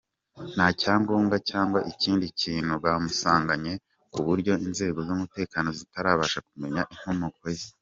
Nta cyangombwa cyangwa ikindi kintu bamusanganye kuburyo inzego z’umutekano zitarabasha kumenya inkomoko ye.